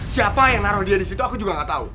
siapa yang naruh dia di situ aku juga gak tahu